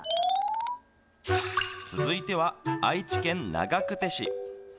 続いては愛知県長久手市。